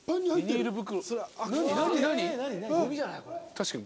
確かに。